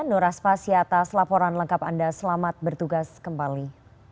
noras pasiatas laporan lengkap anda selamat bertugas kembali